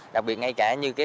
đặc biệt ngay cả như công ty